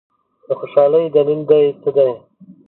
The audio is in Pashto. د خوشالۍ دلیل دي څه دی؟